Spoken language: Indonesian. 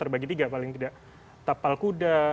terbagi tiga paling tidak tapal kuda